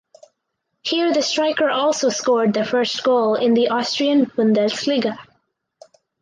Here the striker also scored the first goal in the Austrian Bundesliga.